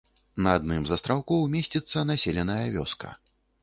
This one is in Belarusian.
На адным з астраўкоў месціцца населеная вёска.